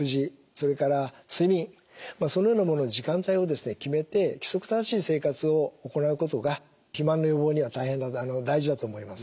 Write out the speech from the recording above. それから睡眠そのようなものの時間帯を決めて規則正しい生活を行うことが肥満の予防には大変大事だと思います。